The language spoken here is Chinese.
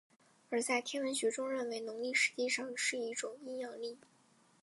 而在天文学中认为农历实际上是一种阴阳历。